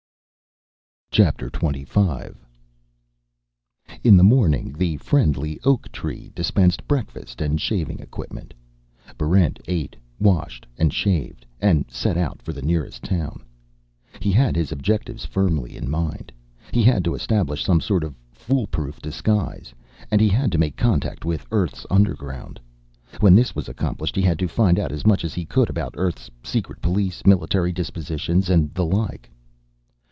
Chapter Twenty Five In the morning, the friendly oak tree dispensed breakfast and shaving equipment. Barrent ate, washed and shaved, and set out for the nearest town. He had his objectives firmly in mind. He had to establish some sort of foolproof disguise, and he had to make contact with Earth's underground. When this was accomplished, he had to find out as much as he could about Earth's secret police, military dispositions, and the like.